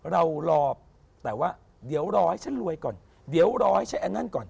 รอแต่ว่าเดี๋ยวรอให้ฉันรวยก่อนเดี๋ยวรอให้ใช้อันนั้นก่อน